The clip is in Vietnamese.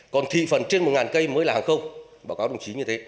còn thị phần trên một cây mới là hàng không báo cáo đồng chí như thế